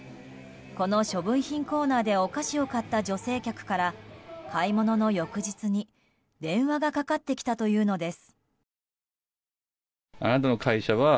この処分品コーナーでお菓子を買った女性客から買い物の翌日に電話がかかってきたというのです。